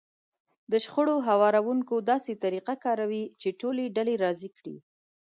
د شخړو هواروونکی داسې طريقه کاروي چې ټولې ډلې راضي کړي.